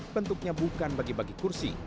bentuknya bukan bagi bagi kursi